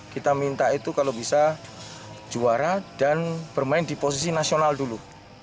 kita minta itu kalau bisa juara dan bermain di posisi nasional dulu